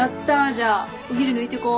じゃあお昼抜いてこう。